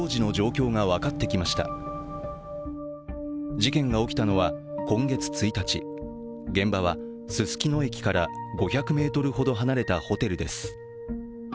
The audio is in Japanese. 事件が起きたのは、今月１日現場はすすきの駅から５００ｍほど離れたホテルです。